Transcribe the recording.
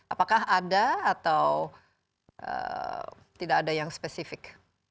apakah ada atau tidak ada yang spesifik